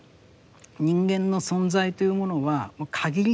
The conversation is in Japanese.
人間の存在というものは限りなく